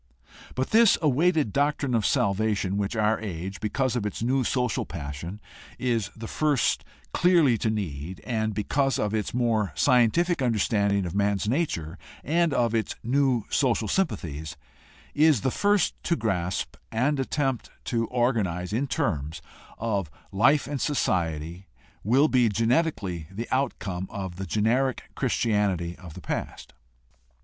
But this awaited doctrine of salvation, which our age, because of its new social passion, is the first clearly to need, and, because of its more scientific understanding of man's nature and of its new social sympathies, is the first to grasp and attempt to organize in terms of life and society, will be genetically the outcome of the generic Christianity of the past.